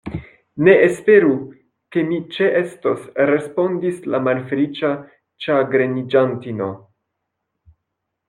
Ne esperu, ke mi ĉeestos, respondis la malfeliĉa ĉagreniĝantino.